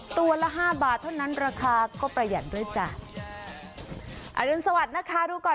ตัวละห้าบาทเท่านั้นราคาก็ประหยัดด้วยจ้ะอรุณสวัสดิ์นะคะดูก่อน